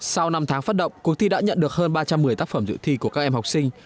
sau năm tháng phát động cuộc thi đã nhận được hơn ba trăm một mươi tác phẩm dự thi của các em học sinh